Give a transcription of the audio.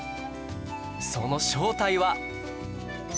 その正体は